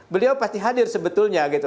beliau pasti hadir sebetulnya